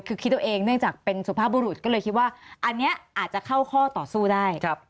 คือคิดเอาเองเนื่องจากเป็นสุภาพบุรุษก็เลยคิดว่าอันนี้อาจจะเข้าข้อต่อสู้ได้